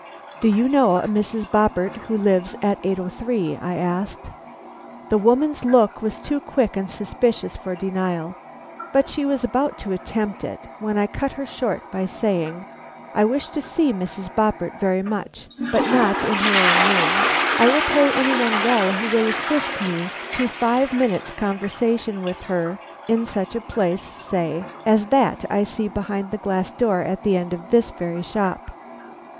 "Do you know a Mrs. Boppert who lives at 803?" I asked. The woman's look was too quick and suspicious for denial; but she was about to attempt it, when I cut her short by saying: "I wish to see Mrs. Boppert very much, but not in her own rooms. I will pay any one well who will assist me to five minutes' conversation with her in such a place, say, as that I see behind the glass door at the end of this very shop."